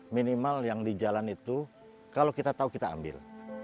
minimal yang di jalan itu kalau kita tahu kita ambil